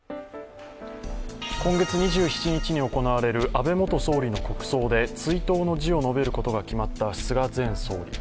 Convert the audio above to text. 今月２７日に行われる安倍元総理の国葬で追悼の辞を述べることが決まった菅前総理。